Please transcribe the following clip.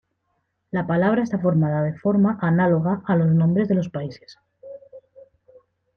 La palabra está formada de forma análoga a los nombres de los países.